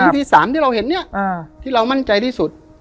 ที่๓ที่เราเห็นเนี่ยที่เรามั่นใจที่สุด